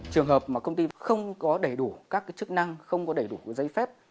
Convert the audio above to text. trường hợp mà công ty không có đầy đủ các chức năng không có đầy đủ giấy phép